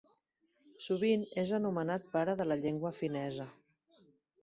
Sovint és anomenat pare de la llengua finesa.